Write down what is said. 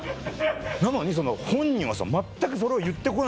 なのに本人はさ全くそれを言って来ない。